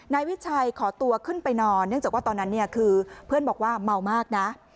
นายวิชัยขอตัวขึ้นไปนอนเนื่องจากว่าตอนนั้นเนี่ยคือเพื่อนบอกว่าเมามากนะ